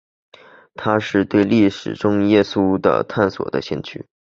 他是对历史中耶稣的探索的先驱。